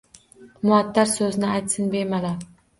Muattar so‘zlarni aytsin bemalol.